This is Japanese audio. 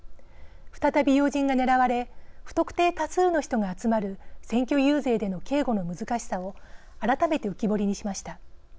再び要人が狙われ不特定多数の人が集まる選挙遊説での警護の難しさを改めて浮き彫りにしました。